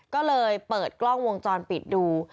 ก็เลยเปิดกล้องวงจรปิดดู